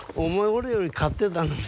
俺より勝ってたのに。